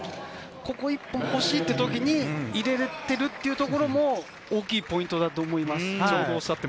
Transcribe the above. ここ一本、欲しいっていう時に入れれるっていうのも大きいポイントだと思います。